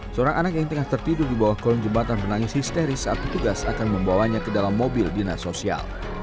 seorang anak yang tengah tertidur di bawah kolong jembatan menangis histeris saat petugas akan membawanya ke dalam mobil dinas sosial